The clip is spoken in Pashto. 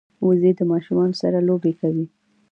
وزې د ماشومانو سره لوبې کوي